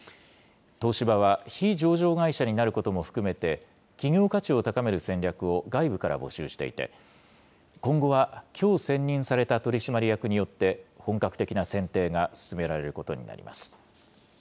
東芝は非上場会社になることも含めて、企業価値を高める戦略を外部から募集していて、今後はきょう選任された取締役によって本格的な選定が進められることになります。